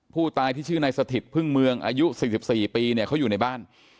ผู้ตายที่ชื่อนายสถิตพึ่งเมืองอายุ๔๔ปีเนี่ยเขาอยู่ในบ้าน